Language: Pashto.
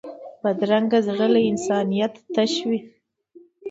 بدرنګه زړه له انسانیت تش وي